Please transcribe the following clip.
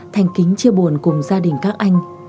thành kính chia buồn cùng gia đình các anh